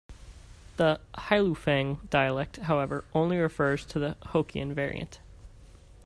The Hailufeng dialect, however, only refers to the Hokkien variant.